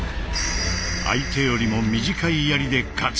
相手よりも短い槍で勝つ。